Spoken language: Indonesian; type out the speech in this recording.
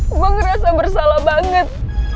gue ngerasa bersalah banget